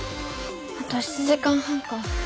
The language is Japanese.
あと７時間半か。